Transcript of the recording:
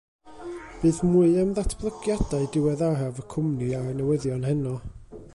Bydd mwy am ddatblygiadau diweddaraf y cwmni ar y newyddion heno.